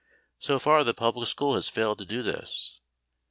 So far the public school has failed to do this.